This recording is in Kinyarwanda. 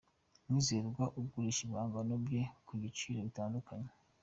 Mwizerwa agurisha ibihangano bye ku biciro bitandukanye.